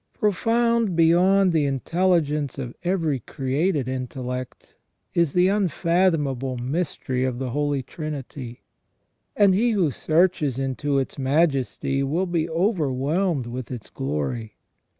Profound beyond the intelligence of every created intellect is the unfathomable mystery of the Holy Trinity ; and he who searches into its Majesty will be overAvhelmed with its glory.